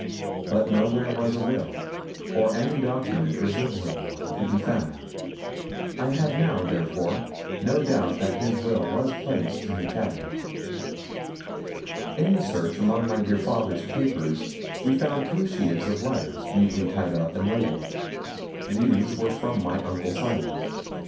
But nowhere was a will, or any document resembling one, to be found. I had now, therefore, no doubt that his will was placed in the cabinet. In the search among my dear father's papers we found two sheafs of letters, neatly tied up and labelled these were from my uncle Silas.